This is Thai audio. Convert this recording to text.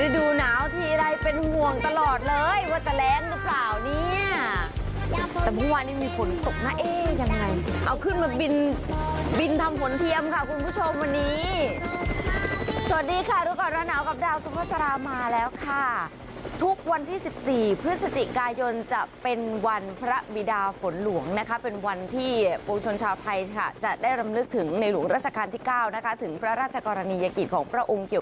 ดูหนาวทีไรเป็นห่วงตลอดเลยว่าจะแร้งหรือเปล่าเนี่ย